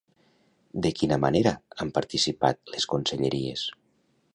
De quina manera han participat les conselleries?